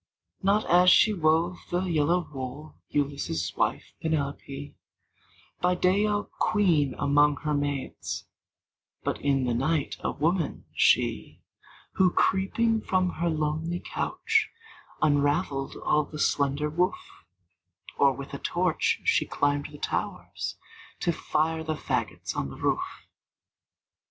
Not as she wove the yellow wool, Ulysses' wife, Penelope; By day a queen among her maids, But in the night a woman, she, Who, creeping from her lonely couch, Unraveled all the slender woof; Or, with a torch, she climbed the towers, To fire the fagots on the roof!